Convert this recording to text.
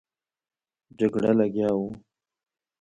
جګړه لګیا وو.